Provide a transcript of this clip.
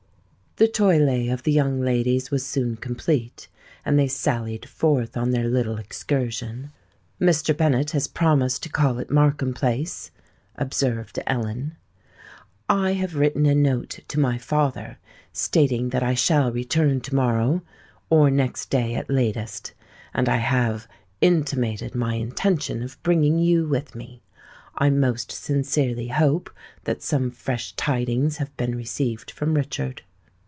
The toilette of the young ladies was soon complete; and they sallied forth on their little excursion. "Mr. Bennet has promised to call at Markham Place," observed Ellen. "I have written a note to my father, stating that I shall return to morrow, or next day at latest; and I have intimated my intention of bringing you with me. I most sincerely hope that some fresh tidings have been received from Richard."